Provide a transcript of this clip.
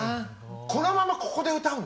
このままここで歌うの？